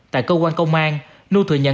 tại cơ quan công an nhu thừa nhận